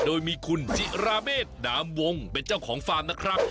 โดยมีคุณจิราเมษดามวงเป็นเจ้าของฟาร์มนะครับ